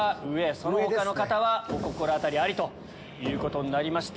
その他の方はお心当たりありとなりました。